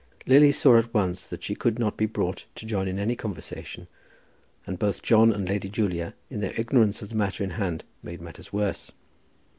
Lily saw at once that she could not be brought to join in any conversation, and both John and Lady Julia, in their ignorance of the matter in hand, made matters worse.